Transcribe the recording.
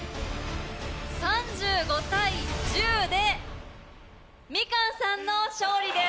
３５対１０でみかんさんの勝利です。